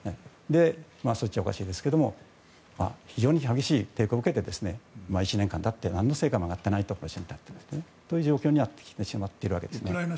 そう言ってはおかしいですが非常に激しい抵抗を受けて１年間経って何の成果も上がっていないという状況になってしまっていますね。